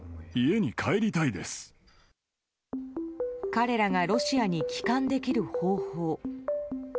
彼らがロシアに帰還できる方法。